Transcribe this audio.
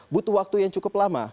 butuh waktu yang cukup lama